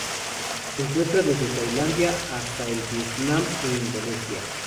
Se encuentra desde Tailandia hasta el Vietnam e Indonesia.